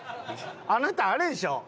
あなたあれでしょ？